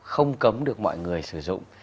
không cấm được mọi người sử dụng